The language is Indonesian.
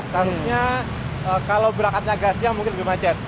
seharusnya kalau berangkatnya gasnya mungkin lebih macet